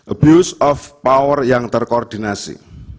abuse of power yang terkoordinasi